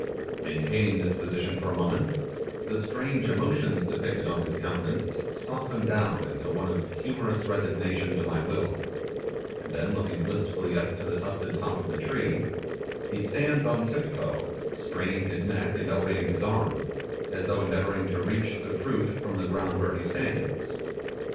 Maintaining this position for a moment, the strange emotions depicted on his countenance soften down into one of humorous resignation to my will, and then looking wistfully up to the tufted top of the tree, he stands on tip toe, straining his neck and elevating his arm, as though endeavouring to reach the fruit from the ground where he stands.